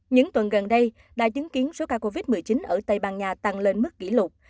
những tuần gần đây đã chứng kiến số ca covid một mươi chín ở tây ban nha tăng lên mức kỷ lục